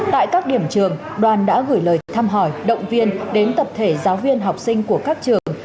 tại các điểm trường đoàn đã gửi lời thăm hỏi động viên đến tập thể giáo viên học sinh của các trường